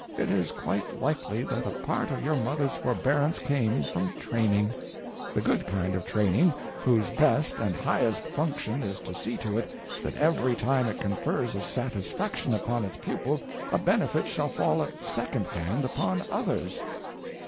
It is quite likely that a part of your mother's forbearance came from training. The _good _kind of training—whose best and highest function is to see to it that every time it confers a satisfaction upon its pupil a benefit shall fall at second hand upon others.